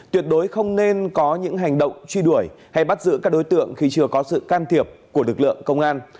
tuyệt đối không nên có những hành động truy đuổi hay bắt giữ các đối tượng khi chưa có sự can thiệp của lực lượng công an